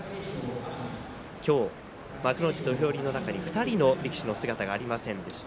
今日、幕内土俵入りの中に２人の力士の姿がありませんでした。